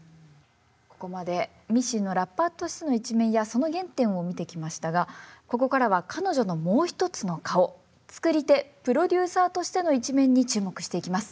ここまでミッシーのラッパーとしての一面やその原点を見てきましたがここからは彼女のもう一つの顔作り手プロデューサーとしての一面に注目していきます。